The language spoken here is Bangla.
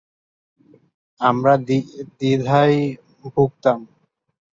আমরা দ্বিধায় ভুগতাম।